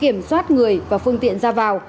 kiểm soát người và phương tiện ra vào